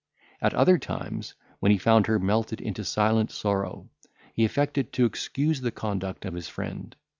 At other times, when he found her melted into silent sorrow, he affected to excuse the conduct of his friend.